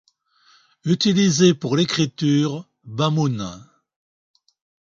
Utilisés pour l’écriture Bamoun.